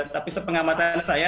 tapi sepengamatan saya